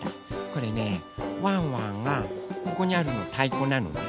これねワンワンがここにあるのたいこなのね。